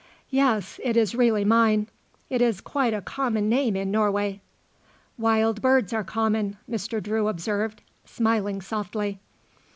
"Yes; it is really mine. It is quite a common name in Norway." "Wild birds are common," Mr. Drew observed, smiling softly.